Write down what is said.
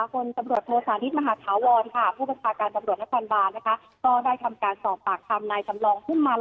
คนสำรวจโพสารฤทธิ์มหาธาวรผู้ประสาทการการสำรวจนักษร์ฐานบาล